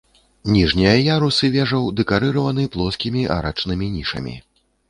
Ніжнія ярусы вежаў дэкарыраваны плоскімі арачнымі нішамі.